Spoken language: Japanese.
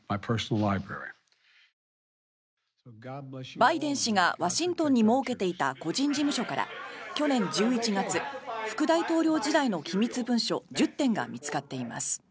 バイデン氏がワシントンに設けていた個人事務所から去年１１月副大統領時代の機密文書１０点が見つかっています。